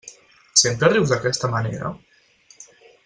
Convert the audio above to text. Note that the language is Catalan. Sempre rius d'aquesta manera?